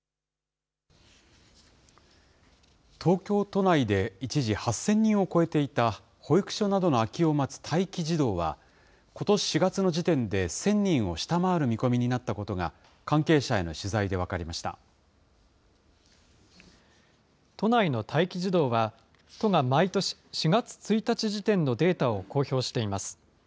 東京都内で一時、８０００人を超えていた保育所などの空きを待つ待機児童は、ことし４月の時点で１０００人を下回る見込みになったことが関係都内の待機児童は、都が毎年、４月１日時点のデータを公表しています。